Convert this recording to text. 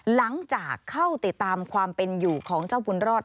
หลังจากเข้าติดตามความเป็นอยู่ของเจ้าบุญรอด